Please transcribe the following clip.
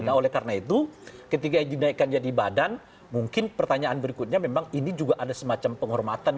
nah oleh karena itu ketika dinaikkan jadi badan mungkin pertanyaan berikutnya memang ini juga ada semacam penghormatan